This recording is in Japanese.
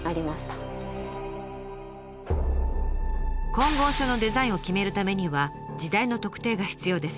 金剛杵のデザインを決めるためには時代の特定が必要です。